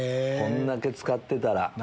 こんだけ使ってたら。